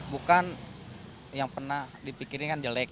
bukan yang pernah dipikirin kan jelek